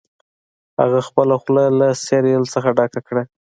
هغه خپله خوله له سیریل څخه ډکه کړه